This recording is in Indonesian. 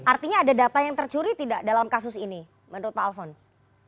artinya ada data yang tercuri tidak dalam kasus ini menurut pak alfons